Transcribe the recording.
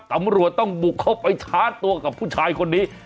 ตำรวจต้องบุกเข้าไปชาร์จตัวกับผู้ชายคนนี้